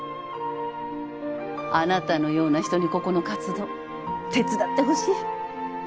あなたのような人にここの活動手伝ってほしい。